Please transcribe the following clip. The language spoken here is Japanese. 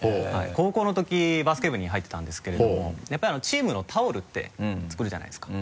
高校の時バスケ部に入っていたんですけれどもやっぱりチームのタオルって作るじゃないですか。